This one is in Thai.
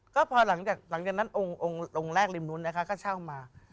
ก็พอหลังจากนั้นองค์องค์แรกริมนู้นนะคะก็เช่ามา